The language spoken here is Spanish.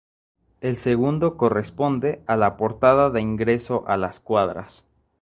El segundo corresponde a la portada de ingreso a las cuadras.